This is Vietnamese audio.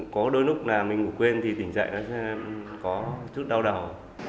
có đôi lúc là mình ngủ quên thì tỉnh dậy nó sẽ có chút đau đầu